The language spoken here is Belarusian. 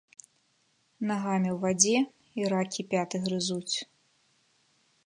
Нагамі ў вадзе, і ракі пяты грызуць.